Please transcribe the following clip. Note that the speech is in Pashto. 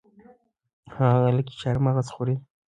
هغه خلک چې چهارمغز خوري د هغوی ویښتان ډېر روښانه او قوي وي.